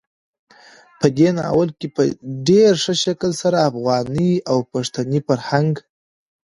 په دې ناول کې په ډېر ښه شکل سره افغاني او پښتني فرهنګ,